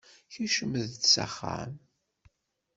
Kecmet-d s axxam.